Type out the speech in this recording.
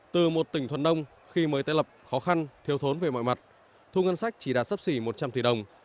từ một tỉnh thuần đông khi mới tái lập khó khăn thiếu thốn về mọi mặt thu ngân sách chỉ đạt sấp xỉ một trăm linh tỷ đồng